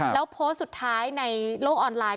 แล้วโพสต์สุดท้ายในโลกออนไลน์